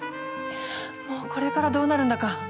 もうこれからどうなるんだか。